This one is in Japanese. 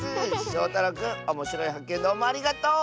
しょうたろうくんおもしろいはっけんどうもありがとう！